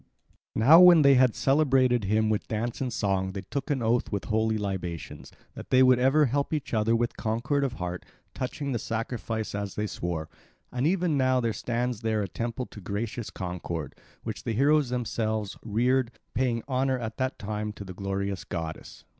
Now when they had celebrated him with dance and song they took an oath with holy libations, that they would ever help each other with concord of heart, touching the sacrifice as they swore; and even now there stands there a temple to gracious Concord, which the heroes themselves reared, paying honour at that time to the glorious goddess.